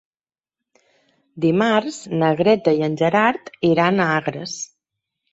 Dimarts na Greta i en Gerard iran a Agres.